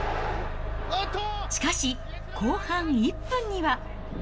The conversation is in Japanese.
しかし、後半１分には。